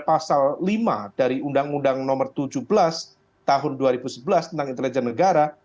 pasal lima dari undang undang nomor tujuh belas tahun dua ribu sebelas tentang intelijen negara